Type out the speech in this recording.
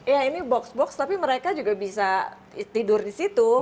ya ini box box tapi mereka juga bisa tidur di situ